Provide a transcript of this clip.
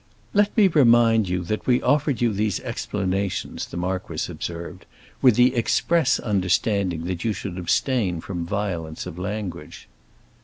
"Let me remind you that we offered you these explanations," the marquis observed, "with the express understanding that you should abstain from violence of language."